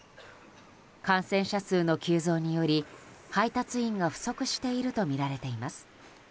感染者数の急増により配達員が不足しているとみられています。